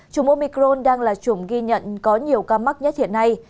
chủng omicron đang là chủng ghi nhận có nhiều ca mắc nhất hiện nay